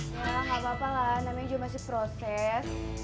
ya gapapa lah namanya juga masih proses